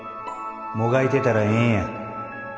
もがいてたらええんや。